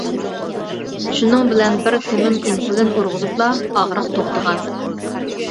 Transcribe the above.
شۇنىڭ بىلەن بىر تېمىم ئىنسۇلىن ئۇرغۇزۇپلا ئاغرىق توختىغان.